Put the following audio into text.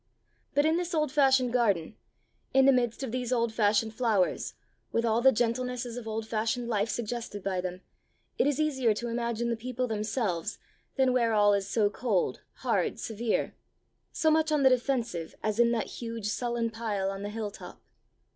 But in this old fashioned garden, in the midst of these old fashioned flowers, with all the gentlenesses of old fashioned life suggested by them, it is easier to imagine the people themselves than where all is so cold, hard, severe so much on the defensive, as in that huge, sullen pile on the hilltop."